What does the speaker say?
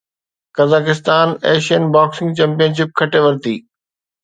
Kazakhstan Asian boxing championship کٽي ورتي